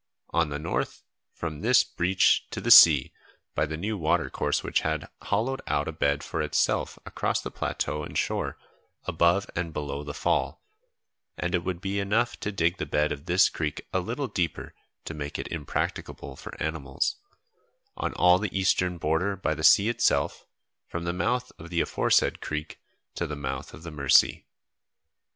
On the north, from this breach to the sea, by the new watercourse which had hollowed out a bed for itself across the plateau and shore, above and below the fall, and it would be enough to dig the bed of this creek a little deeper to make it impracticable for animals, on all the eastern border by the sea itself, from the mouth of the aforesaid creek to the mouth of the Mercy.